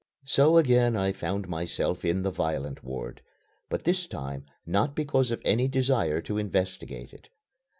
So again I found myself in the violent ward but this time not because of any desire to investigate it.